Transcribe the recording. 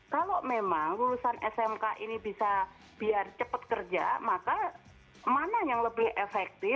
kalau memang lulusan smk ini bisa biar cepat